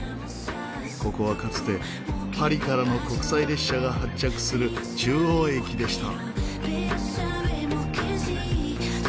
ここはかつてパリからの国際列車が発着する中央駅でした。